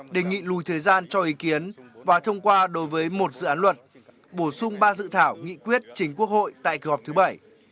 đề nghị lùi thời gian cho ý kiến và thông qua đối với một dự án luật bổ sung ba dự thảo nghị quyết chính quốc hội tại kỳ họp thứ bảy